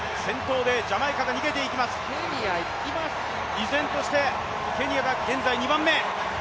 依然としてケニアが現在２番目。